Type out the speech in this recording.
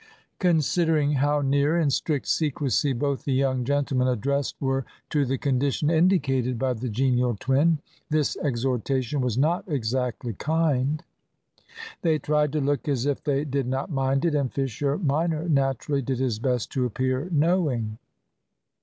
Considering how near, in strict secrecy, both the young gentlemen addressed were to the condition indicated by the genial twin, this exhortation was not exactly kind. They tried to look as if they did not mind it, and Fisher minor naturally did his best to appear knowing.